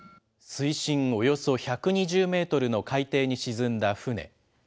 水深およそ１２０メートルの海底に沈んだ船。